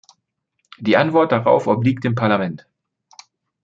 Die Antwort darauf obliegt dem Parlament.